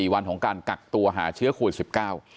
๑๔วันของการกักตัวหาเชื้อโควิด๑๙